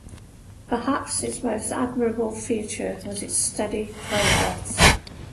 Perhaps its most admirable feature was its steady progress.